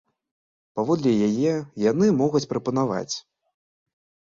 Паводле яе, яны могуць прапанаваць.